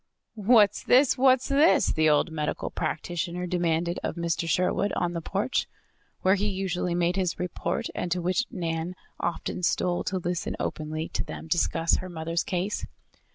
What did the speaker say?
"What's this? What's this?" the old medical practitioner demanded of Mr. Sherwood, on the porch, where he usually made his report, and to which Nan often stole to listen openly to them discuss her mother's case.